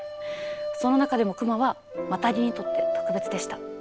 その中でも熊はマタギにとって特別でした。